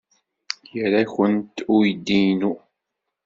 Ira-kent uydi-inu.